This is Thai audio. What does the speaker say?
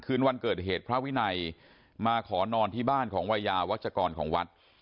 คืนวันเกิดเหตุพระวินัยมาขอนอนที่บ้านของวัยยาวัชกรของวัด